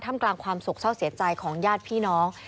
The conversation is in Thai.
กลางความโศกเศร้าเสียใจของญาติพี่น้อง